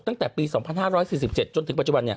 ตั้งแต่ปี๒๕๔๗จนถึงปัจจุบัน